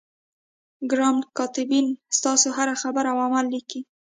کرام الکاتبین ستاسو هره خبره او عمل لیکي.